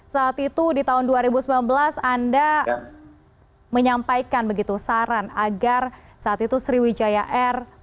saat itu di tahun dua ribu sembilan belas anda menyampaikan begitu saran agar saat itu sriwijaya air stop operasional bisa diulang kembali